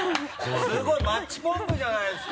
すごいマッチポンプじゃないですか。